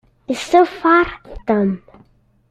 Iṣeffer Tom.